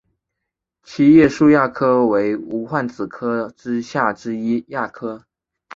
七叶树亚科为无患子科下之一亚科。